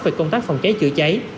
về công tác phòng cháy chữa cháy